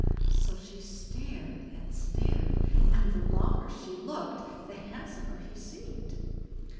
So she stared and stared, and the longer she looked the handsomer he seemed.